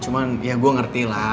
cuman ya gue ngerti lah